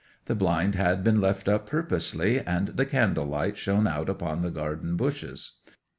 The blind had been left up purposely, and the candle light shone out upon the garden bushes.